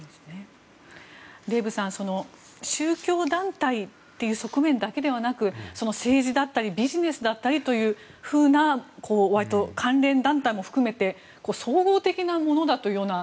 デーブさん宗教団体という側面だけではなく政治だったりビジネスだったりというふうな割と関連団体も含めて総合的なものだというような